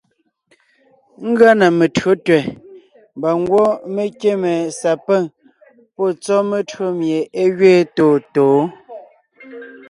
Ngʉa na metÿǒ tẅɛ̀ mbà ngwɔ́ mé kíme sapîŋ pɔ́ tsɔ́ metÿǒ mie é gẅeen tôontǒon.